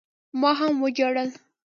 ما هم وجړل.